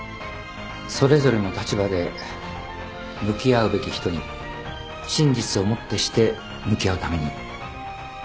それぞれの立場で向き合うべき人に真実をもってして向き合うために。